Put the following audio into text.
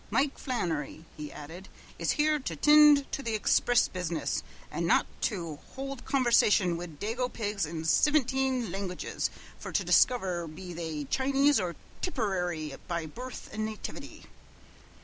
Mike Flannery," he added, "is here to tind to the expriss business and not to hould conversation wid dago pigs in sivinteen languages fer to discover be they Chinese or Tipperary by birth an' nativity."